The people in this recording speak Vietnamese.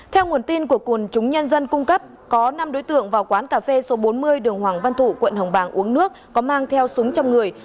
theo nguồn tin của quần chúng nhân dân cung cấp có năm đối tượng vào quán cà phê số bốn mươi đường hoàng văn thủ quận hồng bàng uống nước có mang theo súng trong người